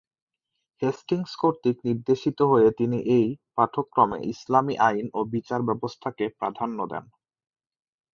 Hastings কর্তৃক নির্দেশিত হয়ে তিনি এই পাঠক্রমে ইসলামী আইন ও বিচার ব্যবস্থাকে প্রাধান্য দেন।